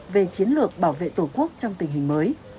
về chiến lược bảo vệ tổ quốc trong tình hình mới